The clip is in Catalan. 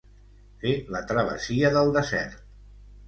Fer la travessia del desert.